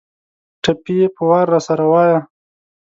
ټپې په وار راسره وايه